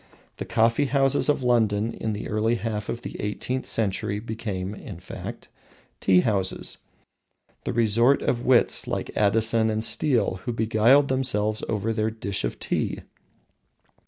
The coffee houses of London in the early half of the eighteenth century became, in fact, tea houses, the resort of wits like Addison and Steele, who beguiled themselves over their "dish of tea."